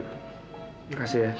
terima kasih ya